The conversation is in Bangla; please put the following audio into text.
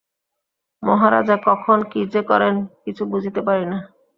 মহারাজা কখন কি যে করেন, কিছু বুঝিতে পারি না।